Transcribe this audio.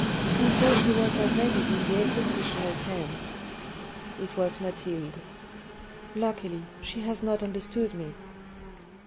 He thought he was already in the executioner's hands. It was Mathilde. " Luckily, she has not understood me."